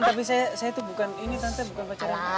tapi saya tuh bukan ini tante bukan pacaran